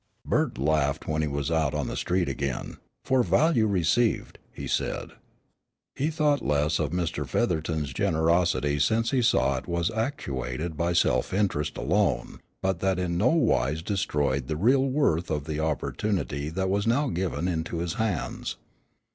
Bert laughed when he was out on the street again. "For value received," he said. He thought less of Mr. Featherton's generosity since he saw it was actuated by self interest alone, but that in no wise destroyed the real worth of the opportunity that was now given into his hands.